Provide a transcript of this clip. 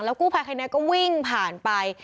แล้วกู้ภัยใครเนี่ยก็วิ่งผ่านไป